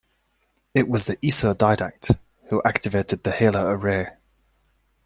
It was the IsoDidact who activated the Halo Array.